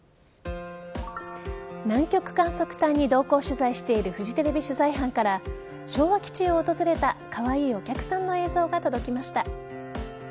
南極観測隊に同行取材しているフジテレビ取材班から昭和基地を訪れたカワイイお客さんの映像が届きました。